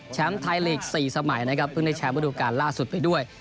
ไทยลีก๔สมัยนะครับเพิ่งได้แชมป์ระดูการล่าสุดไปด้วย